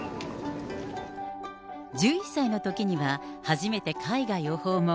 １１歳のときには、初めて海外を訪問。